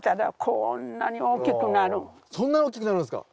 そんなに大きくなるんですか？